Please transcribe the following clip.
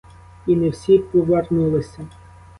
І не всі повернулися.